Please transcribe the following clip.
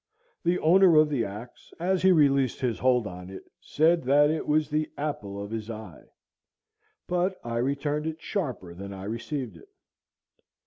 The owner of the axe, as he released his hold on it, said that it was the apple of his eye; but I returned it sharper than I received it.